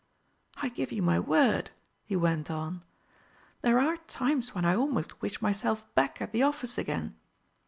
"I give you my word," he went on, "there are times when I almost wish myself back at the office again.